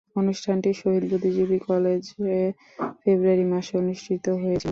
অনুষ্ঠানটি শহীদ বুদ্ধিজীবী কলেজে ফেব্রুয়ারি মাসে অনুষ্ঠিত হয়েছিলো।